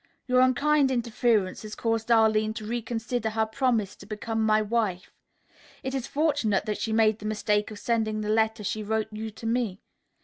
Your unkind interference has caused Arline to reconsider her promise to become my wife. It is fortunate that she made the mistake of sending the letter she wrote you to me.